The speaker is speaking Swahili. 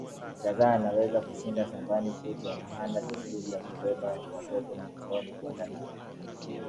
Kichagga anaweza kushinda shambani kutwa na hana desturi ya kubeba watoto mgongoni kwenda nao